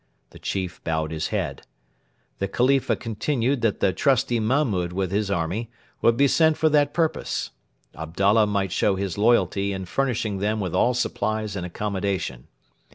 The chief bowed his head. The Khalifa continued that the trusty Mahmud with his army would be sent for that purpose; Abdalla might show his loyalty in furnishing them with all supplies and accommodation.